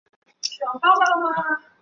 圣埃尔布隆人口变化图示